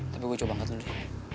tapi gue coba angkat dulu ya